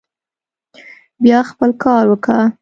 بيا خپل کار وکه.